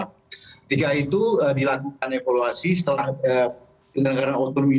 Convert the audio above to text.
ketika itu dilakukan evaluasi setelah penyelenggaraan otonomi